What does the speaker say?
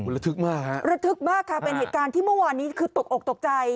ระทึกมากฮะระทึกมากค่ะเป็นเหตุการณ์ที่เมื่อวานนี้คือตกอกตกใจ